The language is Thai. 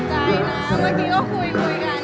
แต่มางานด้วยกันก็ได้คุยกัน